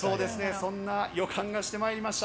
そんな予感がしてまいりました。